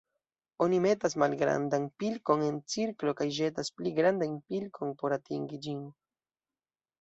Oni metas malgrandan pilkon en cirklo kaj ĵetas pli grandajn pilkon por atingi ĝin.